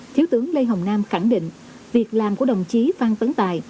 thiếu tướng lê hồng nam khẳng định việc làm của đồng chí phan tấn tài